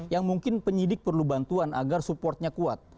yang mungkin penyidik perlu bantuan agar supportnya kuat